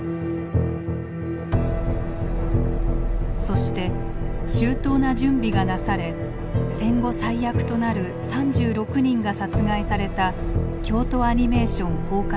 そして周到な準備がなされ戦後最悪となる３６人が殺害された京都アニメーション放火事件。